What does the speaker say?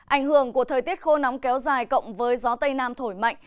ảnh hưởng của thời tiết khô nóng kéo dài cộng với gió tây nam thổi mạnh